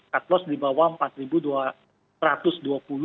cut loss di bawah rp empat dua ratus dua puluh